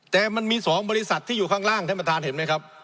แต่มันมี๒บริษัทที่อยู่ข้างล่างท่านประธานเห็นไหมครับ